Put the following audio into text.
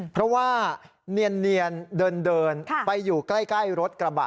เพราะว่าเนียนเดินไปอยู่ใกล้รถกระบะ